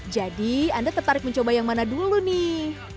jadi anda tertarik mencoba yang mana dulu nih